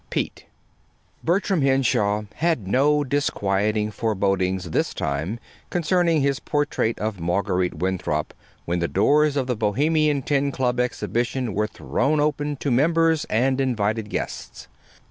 PETE Bertram Henshaw had no disquieting forebodings this time concerning his portrait of Marguerite Winthrop when the doors of the Bohemian Ten Club Exhibition were thrown open to members and invited guests.